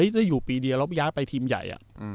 ได้อยู่ปีเดียวแล้วย้ายไปทีมใหญ่